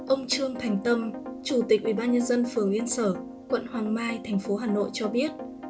ông trương thành tâm chủ tịch ubnd phường yên sở quận hoàng mai tp hà nội cho biết